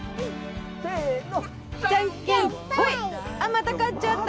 また勝っちゃった。